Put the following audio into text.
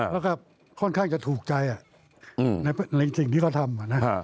แล้วก็ค่อนข้างจะถูกใจในสิ่งที่เขาทำ